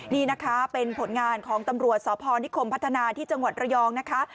นี่นะคะเป็นผลงานของตำรวจสพนิคมพัฒนาที่จังหวัดระยองนะคะ